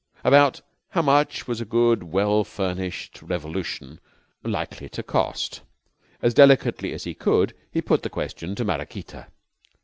About how much was a good, well furnished revolution likely to cost? As delicately as he could, he put the question to Maraquita.